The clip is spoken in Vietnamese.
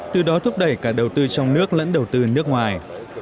từ đó thúc đẩy cả đầu tư trong nước lẫn đầu tư nước ngoài